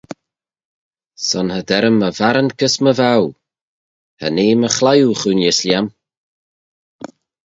Son cha der-ym my varrant gys my vhow: cha nee my chliwe chooinys lhiam.